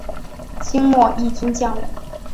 清末毅军将领。